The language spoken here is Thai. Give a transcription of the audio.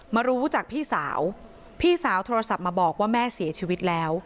มารู้จากพี่สาวพี่สาวโทรศัพท์มาบอกว่าแม่เสียชีวิตแล้ว